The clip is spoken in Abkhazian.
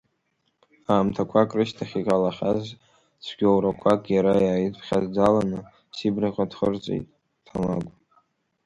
Аамҭақәак рышьҭахь, иҟалахьаз цәгьоурақәак иара иааидԥхьаӡаланы, Сибраҟа дхырҵеит Ҭамагә.